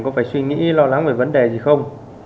có phải suy nghĩ lo lắng về vấn đề gì không